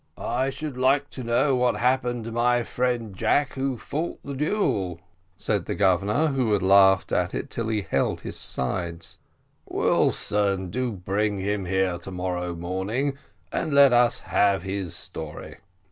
"I should like to know what happened to my friend Jack, who fought the duel," said the Governor, who had laughed at it till he held his sides; "Wilson, do bring him here to morrow morning, and let us have his story."